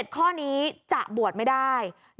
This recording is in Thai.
ข้อนี้จะบวชไม่ได้